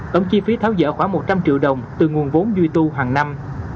tổng chi phí tháo dỡ khoảng một trăm linh triệu đồng từ nguồn vốn duy tu hàng năm